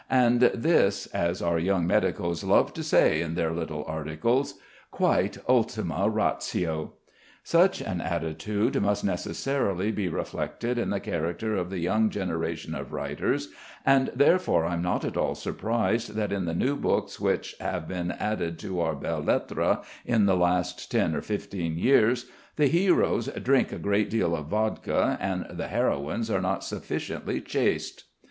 And this, as our young medicos love to say in their little articles quite ultima ratio. Such an attitude must necessarily be reflected in the character of the young generation of writers, and therefore I'm not at all surprised that in the new books which, have been added to our belles lettres in the last ten or fifteen years, the heroes drink a great deal of vodka and the heroines are not sufficiently chaste.